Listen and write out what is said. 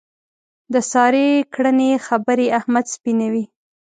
د سارې کړنې خبرې احمد سپینوي.